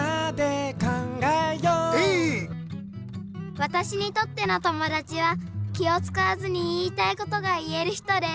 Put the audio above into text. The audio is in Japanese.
わたしにとっての友だちは気をつかわずに言いたいことが言える人です。